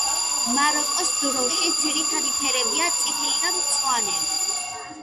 მაროკოს დროშის ძირითადი ფერებია წითელი და მწვანე.